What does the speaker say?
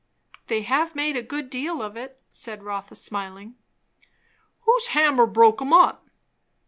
"They have made a good deal of it," said Rotha smiling. "Whose hammer broke 'em up?"